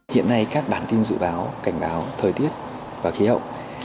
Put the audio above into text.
hiện nay các bản tin dự báo cảnh báo thời tiết và khí hậu